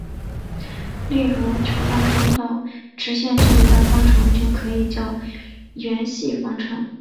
例如求半径到直线距离的方程就可以叫圆系方程。